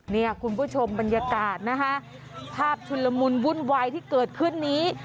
เนี่ยคุณผู้ชมบรรยากาศนะคะภาพชุนละมุนวุ่นวายที่เกิดขึ้นนี้